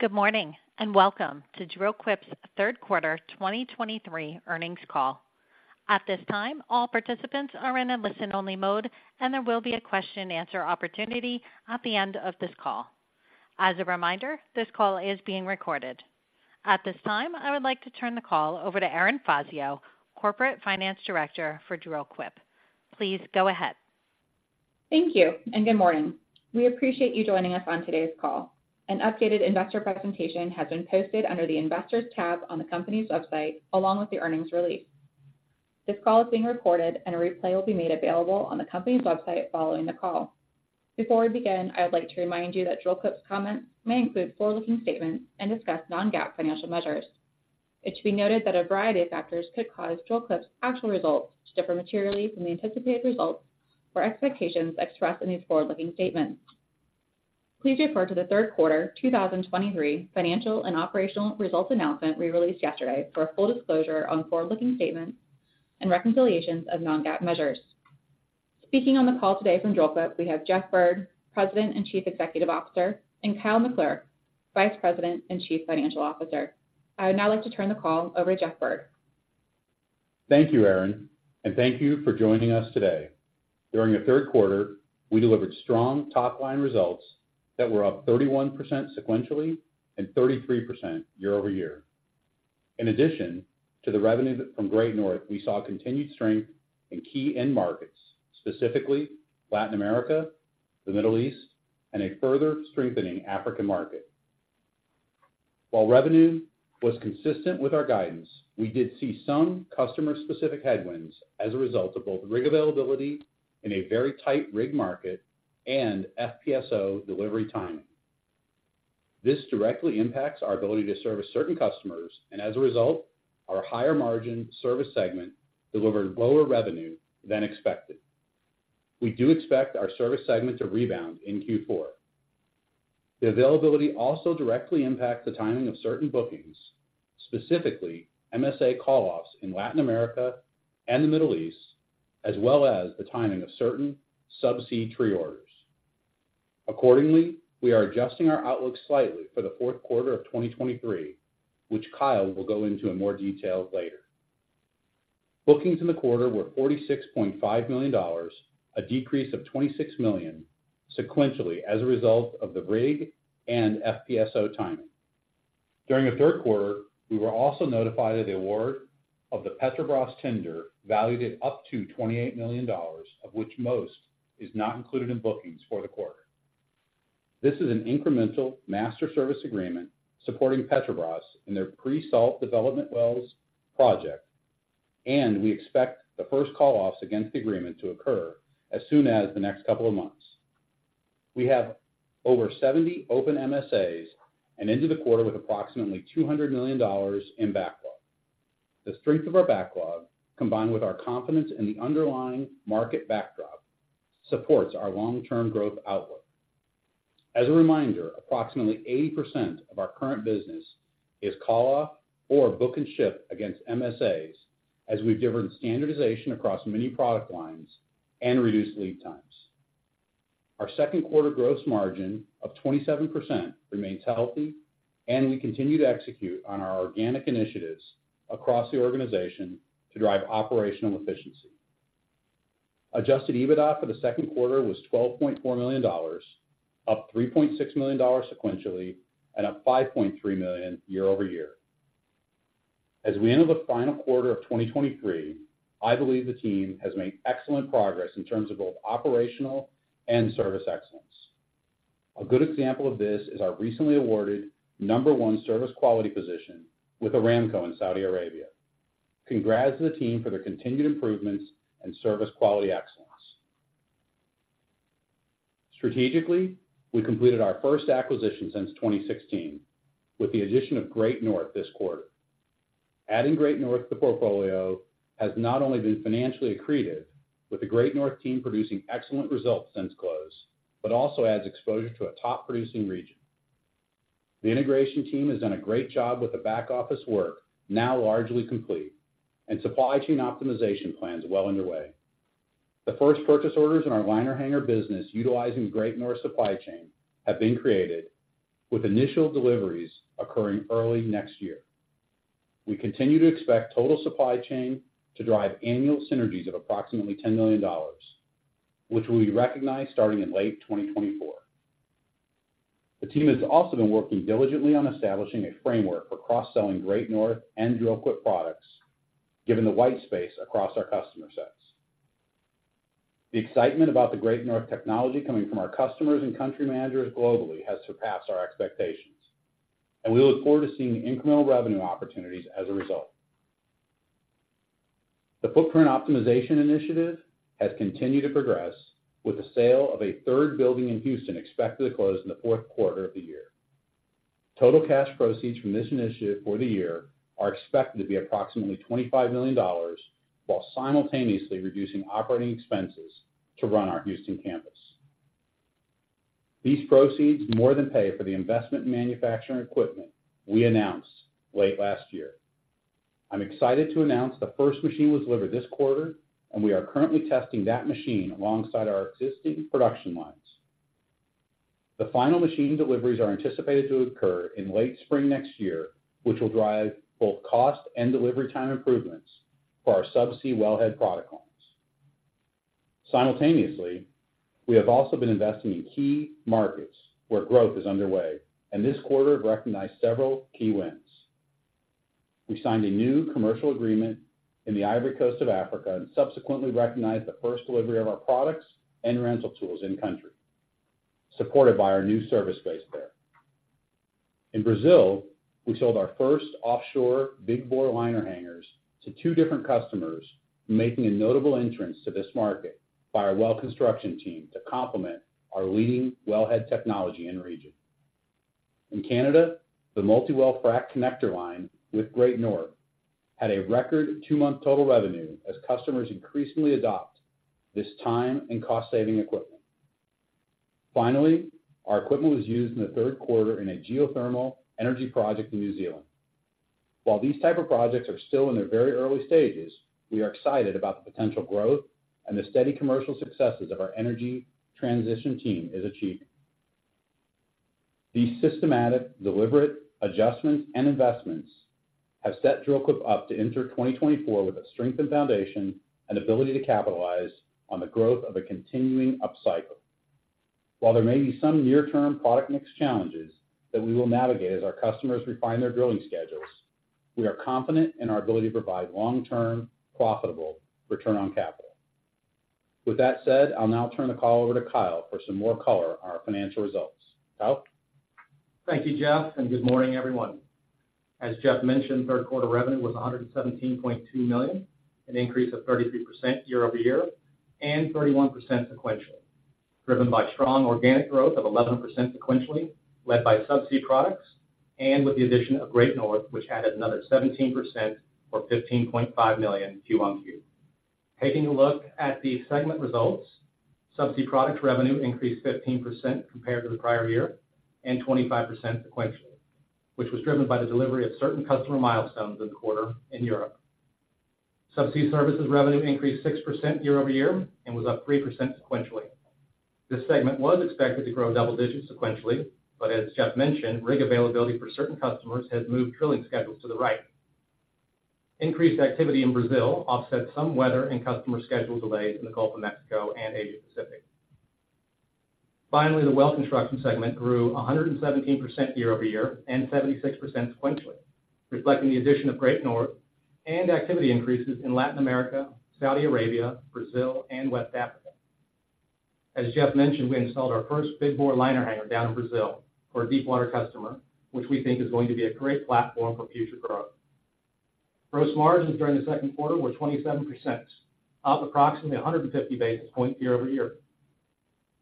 Good morning and welcome to Dril-Quip's third quarter 2023 earnings call. At this time, all participants are in a listen-only mode and there will be a question-and-answer opportunity at the end of this call. As a reminder, this call is being recorded. At this time I would like to turn the call over to Erin Fazio, Corporate Finance Director for Dril-Quip. Please go ahead. Thank you and good morning. We appreciate you joining us on today's call. An updated investor presentation has been posted under the Investors tab on the company's website, along with the earnings release. This call is being recorded, and a replay will be made available on the company's website following the call. Before we begin I would like to remind you that Dril-Quip's comments may include forward-looking statements and discuss non-GAAP financial measures. It should be noted that a variety of factors could cause Dril-Quip's actual results to differ materially from the anticipated results or expectations expressed in these forward-looking statements. Please refer to the third quarter 2023 financial and operational results announcement we released yesterday for a full disclosure on forward-looking statements and reconciliations of non-GAAP measures. Speaking on the call today from Dril-Quip, we have Jeff Bird, President and Chief Executive Officer and Kyle McClure, Vice President and Chief Financial Officer. I would now like to turn the call over to Jeffrey Bird. Thank you Erin and thank you for joining us today. During the third quarter we delivered strong top-line results that were up 31% sequentially and 33% year-over-year. In addition to the revenue from Great North, we saw continued strength in key end markets specifically Latin America, the Middle East, and a further strengthening African market. While revenue was consistent with our guidance, we did see some customer-specific headwinds as a result of both rig availability in a very tight rig market and FPSO delivery timing. This directly impacts our ability to service certain customers, and as a result our higher margin service segment delivered lower revenue than expected. We do expect our service segment to rebound in Q4. The availability also directly impacts the timing of certain bookings, specifically MSA call-offs in Latin America and the Middle East, as well as the timing of certain subsea tree orders. Accordingly, we are adjusting our outlook slightly for the fourth quarter of 2023, which Kyle will go into in more detail later. Bookings in the quarter were $46.5 million, a decrease of $26 million sequentially as a result of the rig and FPSO timing. During the third quarter, we were also notified of the award of the Petrobras tender, valued at up to $28 million, of which most is not included in bookings for the quarter. This is an incremental master service agreement supporting Petrobras in their pre-salt development wells project and we expect the first call-offs against the agreement to occur as soon as the next couple of months. We have over 70 open MSAs and into the quarter with approximately $200 million in backlog. The strength of our backlog, combined with our confidence in the underlying market backdrop, supports our long-term growth outlook. As a reminder approximately 80% of our current business is call-off or book and ship against MSAs as we've driven standardization across many product lines and reduced lead times. Our second quarter gross margin of 27% remains healthy and we continue to execute on our organic initiatives across the organization to drive operational efficiency. Adjusted EBITDA for the second quarter was $12.4 million, up $3.6 million sequentially and up $5.3 million year-over-year. As we enter the final quarter of 2023, I believe the team has made excellent progress in terms of both operational and service excellence. A good example of this is our recently awarded number one service quality position with Aramco in Saudi Arabia. Congrats to the team for their continued improvements and service quality excellence. Strategically, we completed our first acquisition since 2016, with the addition of Great North this quarter. Adding Great North to the portfolio has not only been financially accretive, with the Great North team producing excellent results since close but also adds exposure to a top-producing region. The integration team has done a great job with the back-office work, now largely complete, and supply chain optimization plans well underway. The first purchase orders in our liner hanger business utilizing Great North supply chain have been created, with initial deliveries occurring early next year. We continue to expect total supply chain to drive annual synergies of approximately $10 million which we recognize starting in late 2024. The team has also been working diligently on establishing a framework for cross-selling Great North and Dril-Quip products given the white space across our customer sets. The excitement about the Great North technology coming from our customers and country managers globally has surpassed our expectations and we look forward to seeing incremental revenue opportunities as a result. The footprint optimization initiative has continued to progress, with the sale of a third building in Houston expected to close in the fourth quarter of the year. Total cash proceeds from this initiative for the year are expected to be approximately $25 million while simultaneously reducing operating expenses to run our Houston campus. These proceeds more than pay for the investment in manufacturing equipment we announced late last year. I'm excited to announce the first machine was delivered this quarter, and we are currently testing that machine alongside our existing production lines. The final machine deliveries are anticipated to occur in late spring next year, which will drive both cost and delivery time improvements for our subsea wellhead product lines. Simultaneously, we have also been investing in key markets where growth is underway, and this quarter recognized several key wins. We signed a new commercial agreement in the Ivory Coast of Africa and subsequently recognized the first delivery of our products and rental tools in country, supported by our new service base there. In Brazil we sold our first offshore big bore liner hangers to two different customers, making a notable entrance to this market by our Well Construction team to complement our leading wellhead technology in the region. In Canada, the multi-well frac connector line with Great North had a record two-month total revenue as customers increasingly adopt this time and cost-saving equipment. Finally, our equipment was used in the third quarter in a geothermal energy project in New Zealand. While these type of projects are still in their very early stages, we are excited about the potential growth and the steady commercial successes of our energy transition team is achieving. These systematic deliberate adjustments and investments have set Dril-Quip up to enter 2024 with a strengthened foundation and ability to capitalize on the growth of a continuing upcycle. While there may be some near-term product mix challenges that we will navigate as our customers refine their drilling schedules, we are confident in our ability to provide long-term, profitable return on capital. With that said I'll now turn the call over to Kyle for some more color on our financial results. Kyle? Thank you Jeff and good morning, everyone. As Jeff mentioned, third quarter revenue was $117.2 million, an increase of 33% year-over-year, and 31% sequentially, driven by strong organic growth of 11% sequentially, led by subsea products and with the addition of Great North which added another 17% or $15.5 million QoQ. Taking a look at the segment results subsea products revenue increased 15% compared to the prior year and 25% sequentially, which was driven by the delivery of certain customer milestones in the quarter in Europe. Subsea Services revenue increased 6% year-over-year and was up 3% sequentially. This segment was expected to grow double digits sequentially, but as Jeff mentioned rig availability for certain customers has moved drilling schedules to the right. Increased activity in Brazil offset some weather and customer schedule delays in the Gulf of Mexico and Asia Pacific. Finally, the well construction segment grew 117% year-over-year and 76% sequentially, reflecting the addition of Great North and activity increases in Latin America, Saudi Arabia, Brazil, and West Africa. As Jeff mentioned, we installed our first big bore liner hanger down in Brazil for a deepwater customer, which we think is going to be a great platform for future growth. Gross margins during the second quarter were 27%, up approximately 150 basis points year-over-year.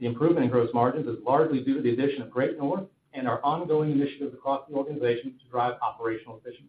The improvement in gross margins is largely due to the addition of Great North and our ongoing initiatives across the organization to drive operational efficiency.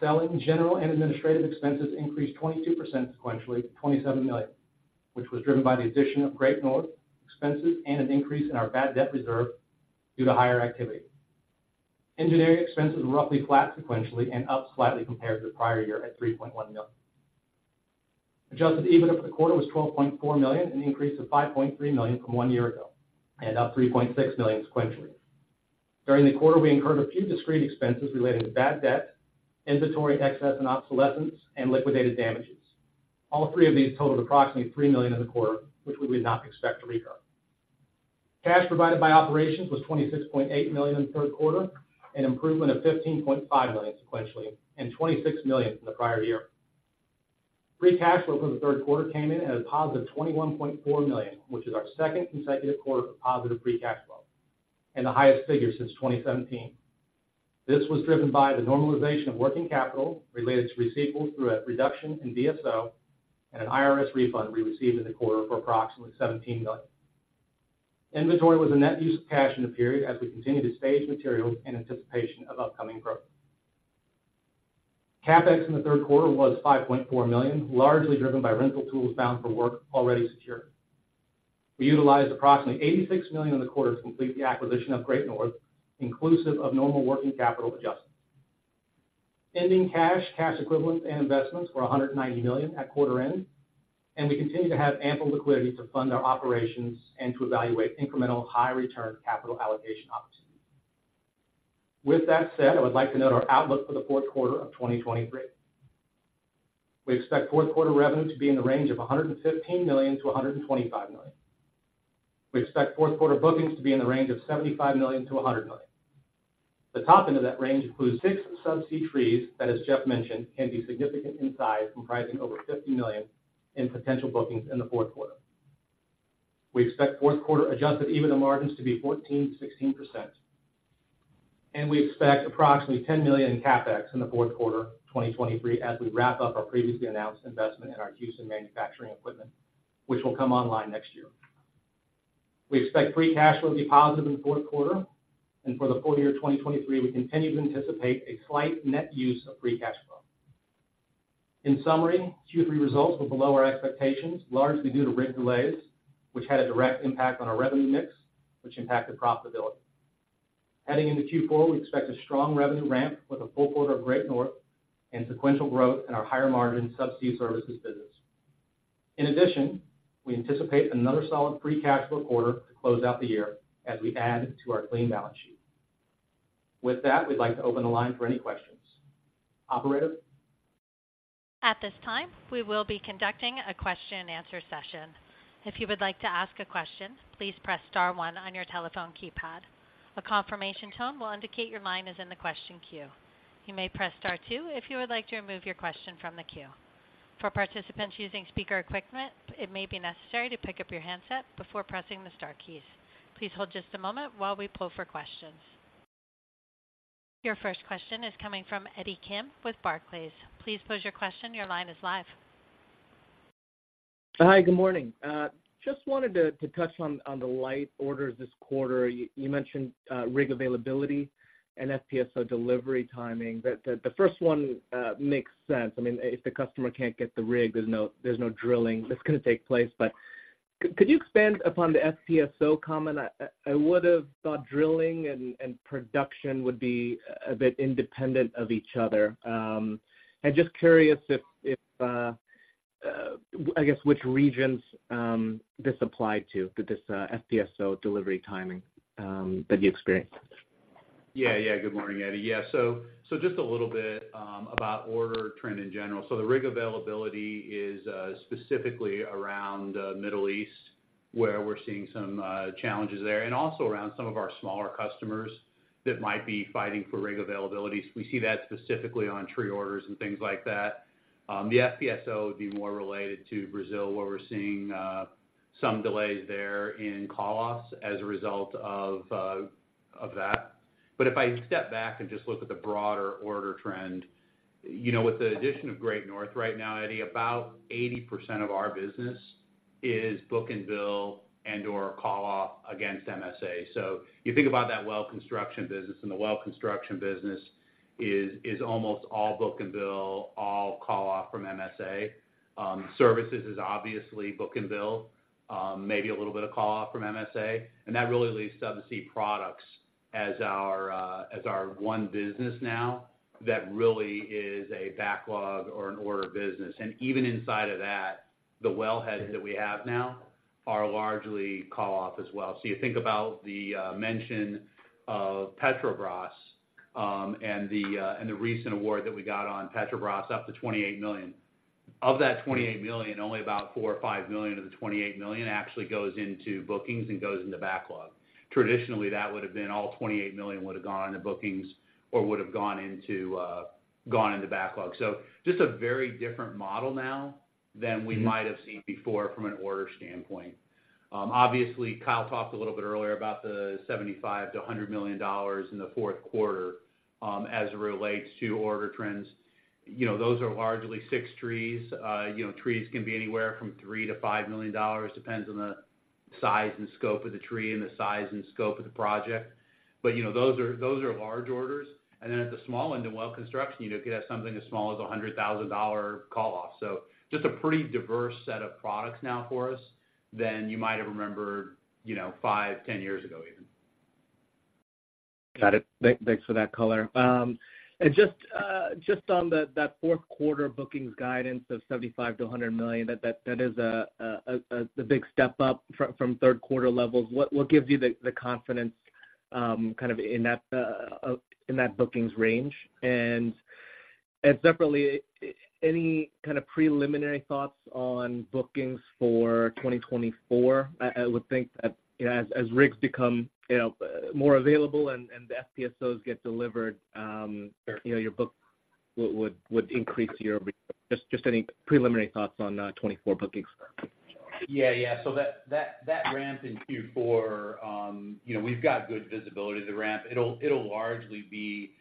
Selling, general and administrative expenses increased 22% sequentially to $27 million, which was driven by the addition of Great North expenses and an increase in our bad debt reserve due to higher activity. Engineering expenses were roughly flat sequentially and up slightly compared to the prior year at $3.1 million. Adjusted EBITDA for the quarter was $12.4 million, an increase of $5.3 million from one year ago and up $3.6 million sequentially. During the quarter we incurred a few discrete expenses relating to bad debt, inventory, excess and obsolescence and liquidated damages. All three of these totaled approximately $3 million in the quarter, which we would not expect to recur. Cash provided by operations was $26.8 million in the third quarter an improvement of $15.5 million sequentially and $26 million from the prior year. Free cash flow for the third quarter came in at a positive $21.4 million, which is our second consecutive quarter of positive free cash flow and the highest figure since 2017. This was driven by the normalization of working capital related to receivables through a reduction in DSO and an IRS refund we received in the quarter for approximately $17 million. Inventory was a net use of cash in the period as we continued to stage materials in anticipation of upcoming growth. CapEx in the third quarter was $5.4 million largely driven by rental tools bound for work already secured. We utilized approximately $86 million in the quarter to complete the acquisition of Great North inclusive of normal working capital adjustments. Ending cash, cash equivalents, and investments were $190 million at quarter end and we continue to have ample liquidity to fund our operations and to evaluate incremental high return capital allocation opportunities. With that said, I would like to note our outlook for the fourth quarter of 2023. We expect fourth quarter revenue to be in the range of $115 million-$125 million. We expect fourth quarter bookings to be in the range of $75 million-$100 million. The top end of that range includes six subsea trees that as Jeff mentioned can be significant in size comprising over $50 million in potential bookings in the fourth quarter. We expect fourth quarter adjusted EBITDA margins to be 14%-16%, and we expect approximately $10 million in CapEx in the fourth quarter of 2023, as we wrap up our previously announced investment in our Houston manufacturing equipment, which will come online next year. We expect free cash flow to be positive in the fourth quarter and for the full year of 2023, we continue to anticipate a slight net use of free cash flow. In summary Q3 results were below our expectations largely due to rig delays, which had a direct impact on our revenue mix, which impacted profitability. Heading into Q4, we expect a strong revenue ramp with a full quarter of Great North and sequential growth in our higher-margin Subsea Services business. In addition, we anticipate another solid free cash flow quarter to close out the year as we add to our clean balance sheet. With that, we'd like to open the line for any questions. Operator? At this time, we will be conducting a question-and-answer session. If you would like to ask a question, please press star one on your telephone keypad. A confirmation tone will indicate your line is in the question queue. You may press Star two if you would like to remove your question from the queue. For participants using speaker equipment, it may be necessary to pick up your handset before pressing the star keys. Please hold just a moment while we poll for questions. Your first question is coming from Eddie Kim with Barclays. Please pose your question. Your line is live. Hi, good morning. Just wanted to touch on the light orders this quarter. You mentioned rig availability and FPSO delivery timing. The first one makes sense. I mean, if the customer can't get the rig, there's no drilling that's gonna take place. But could you expand upon the FPSO comment? I would have thought drilling and production would be a bit independent of each other. And just curious if I guess which regions this applied to, this FPSO delivery timing that you experienced? Yeah, yeah. Good morning, Eddie. Yeah, so, so just a little bit about order trend in general. So the rig availability is specifically around Middle East, where we're seeing some challenges there, and also around some of our smaller customers that might be fighting for rig availability. We see that specifically on tree orders and things like that. The FPSO would be more related to Brazil, where we're seeing some delays there in call-offs as a result of that. But if I step back and just look at the broader order trend, you know, with the addition of Great North, right now, Eddie, about 80% of our business is book and bill and, or call-off against MSA. So you think about that well construction business, and the well construction business is almost all book and bill, all call off from MSA. Services is obviously book and bill, maybe a little bit of call off from MSA, and that really leaves Subsea Products as our, as our one business now that really is a backlog or an order business. And even inside of that, the well heads that we have now are largely call off as well. So you think about the mention of Petrobras, and the recent award that we got on Petrobras, up to $28 million. Of that $28 million, only about $4-$5 million of the $28 million actually goes into bookings and goes into backlog. Traditionally, that would have been all $28 million would have gone into bookings or would have gone into backlog. So just a very different model now than we might have seen before from an order standpoint. Obviously, Kyle talked a little bit earlier about the $75 million-$100 million in the fourth quarter, as it relates to order trends. You know, those are largely six trees. You know, trees can be anywhere from $3 million-$5 million, depends on the size and scope of the tree and the size and scope of the project. But, you know, those are, those are large orders. And then at the small end, the Well Construction, you know, could have something as small as a $100,000 call off. So just a pretty diverse set of products now for us than you might have remembered, you know, five, 10 years agoeven. Got it. Thanks for that color. And just on the - that fourth quarter bookings guidance of $75 million-$100 million, that is a big step up from third quarter levels. What gives you the confidence kind of in that bookings range? And separately, any kind of preliminary thoughts on bookings for 2024? I would think that, you know, as rigs become, you know, more available and the FPSOs get delivered, you know, your book would increase your - just any preliminary thoughts on 2024 bookings? Yeah, yeah. So that ramp in Q4, you know we've got good visibility of the ramp. It'll largely be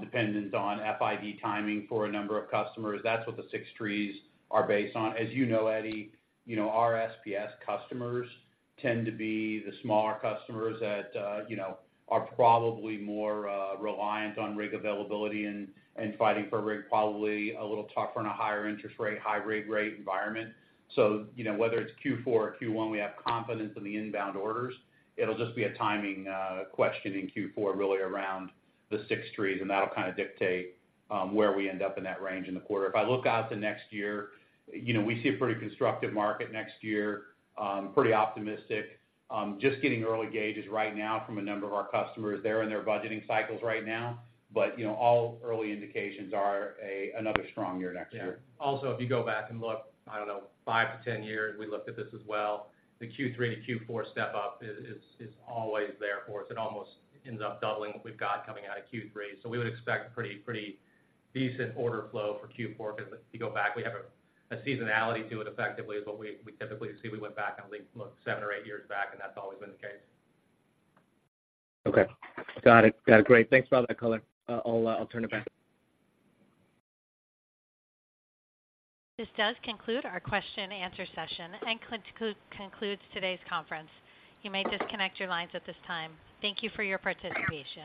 dependent on FID timing for a number of customers. That's what the six trees are based on. As you know, Eddie, you know, our SPS customers tend to be the smaller customers that, you know, are probably more reliant on rig availability and fighting for rig, probably a little tougher in a higher interest rate, high rig rate environment. So you know, whether it's Q4 or Q1 we have confidence in the inbound orders. It'll just be a timing question in Q4, really around the six trees, and that'll kind of dictate where we end up in that range in the quarter. If I look out to next year, you know, we see a pretty constructive market next year, pretty optimistic. Just getting early gauges right now from a number of our customers. They're in their budgeting cycles right now, but you know, all early indications are another strong year next year. Yeah. Also if you go back and look I don't know, 5-10 years, we looked at this as well, the Q3 to Q4 step up is always there for us. It almost ends up doubling what we've got coming out of Q3. So we would expect pretty decent order flow for Q4, because if you go back, we have a seasonality to it, effectively, is what we typically see. We went back, I think, seven or eight years back, and that's always been the case. Okay. Got it. Got it. Great. Thanks for all that color. I'll, I'll turn it back. This does conclude our question and answer session and concludes today's conference. You may disconnect your lines at this time. Thank you for your participation.